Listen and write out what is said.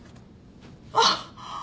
あっ。